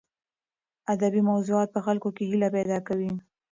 ادبي موضوعات په خلکو کې هیله پیدا کوي.